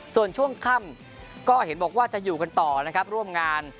ส่วนช่วงค่ำก็เห็นบอกว่าจะอยู่กันต่อนะครับร่วมงาน